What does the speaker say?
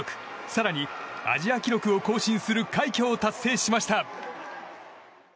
更にアジア記録を更新する快挙を達成しました。